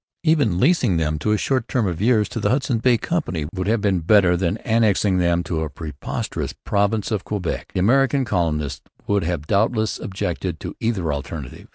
Even leasing them for a short term of years to the Hudson's Bay Company would have been better than annexing them to a preposterous province of Quebec. The American colonists would have doubtless objected to either alternative.